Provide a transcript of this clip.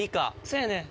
そやねん。